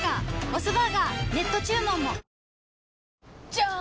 じゃーん！